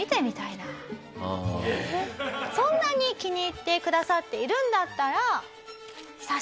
そんなに気に入ってくださっているんだったら。